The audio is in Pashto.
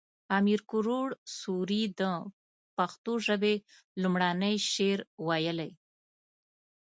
امیر کروړ سوري د پښتو ژبې لومړنی شعر ويلی